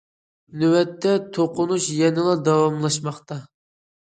نۆۋەتتە توقۇنۇش يەنىلا داۋاملاشماقتا.